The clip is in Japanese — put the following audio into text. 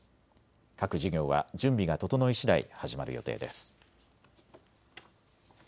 各事業は準備が整いしだい始まる予定です。